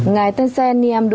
ngài tân sên niêm đô ri